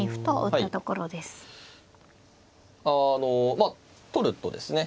まあ取るとですね